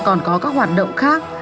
còn có các hoạt động khác